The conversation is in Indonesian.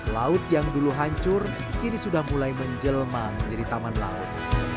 laut yang dulu hancur kini sudah mulai menjelma menjadi taman laut